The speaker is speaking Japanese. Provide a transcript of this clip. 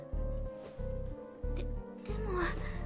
ででも。